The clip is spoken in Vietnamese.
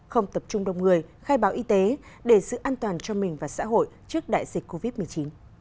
không tập trung đông người khai báo y tế để giữ an toàn cho mình và xã hội trước đại dịch covid một mươi chín